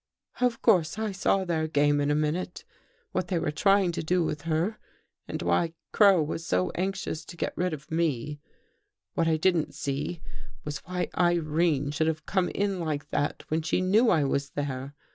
" Of course I saw their game in a minute — what 1 they were trying to do with her, and why Crow was THE GHOST GIRL so anxious to get rid of me. What I didn't see was why Irene should have come in like that when she knew I was there.